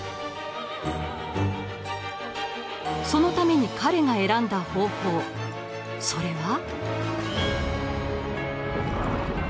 そのために彼が選んだ方法それは。